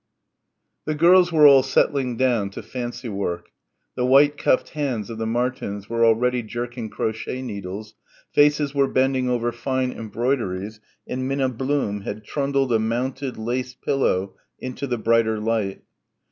6 The girls were all settling down to fancy work, the white cuffed hands of the Martins were already jerking crochet needles, faces were bending over fine embroideries and Minna Blum had trundled a mounted lace pillow into the brighter light.